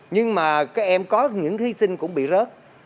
nhưng mà các em có những hy sinh cũng bị rớt